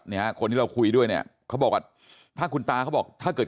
เนี่ยคนที่เราคุยด้วยเนี่ยเขาบอกว่าถ้าคุณตาเขาบอกถ้าเกิด